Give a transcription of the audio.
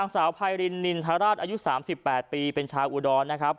สาวไพรินนินทราชอายุ๓๘ปีเป็นชาวอุดรนะครับ